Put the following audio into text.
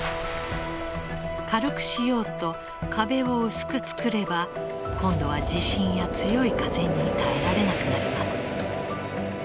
軽くしようと壁を薄く作れば今度は地震や強い風に耐えられなくなります。